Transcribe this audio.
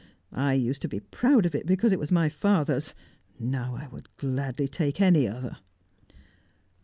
I used to be proud of it, because it was my father's; now I would gladly take any other."